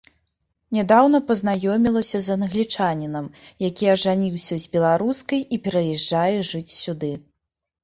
Нядаўна пазнаёмілася з англічанінам, які ажаніўся з беларускай і пераязджае жыць сюды.